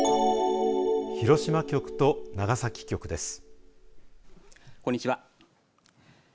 広島局と長崎局です。